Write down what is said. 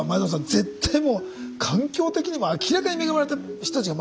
絶対もう環境的にも明らかに恵まれた人たちが周りにいる。